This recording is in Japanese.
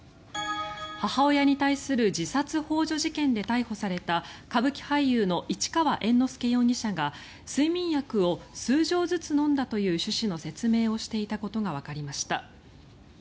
母親に対する自殺ほう助事件で逮捕された歌舞伎俳優の市川猿之助容疑者が睡眠薬を数錠ずつ飲んだという趣旨の説明をしていたことがわかりました。